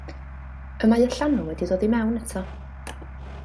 Y mae y llanw wedi dod i mewn eto.